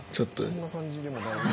こんな感じでも大丈夫。